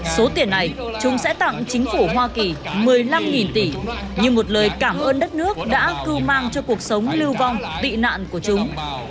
số tiền này chúng sẽ tặng chính phủ hoa kỳ một mươi năm tỷ như một lời cảm ơn đất nước đã cưu mang cho cuộc sống lưu vong tị nạn của chúng